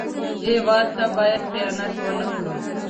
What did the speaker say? هېواد ته باید خیانت ونه کړو